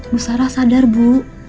bu sarah sadar bu